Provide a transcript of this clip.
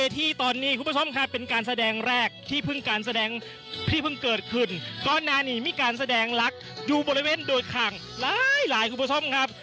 ที่เพิ่งเกิดขึ้นก่อนหน้านี้มีการแสดงลักษณ์อยู่บริเวณโดยข่างหลายคุณผู้ชมครับ